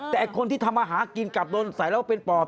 แต่คนที่ทำอาหารกินกลับโดนใส่แล้วเป็นปอบ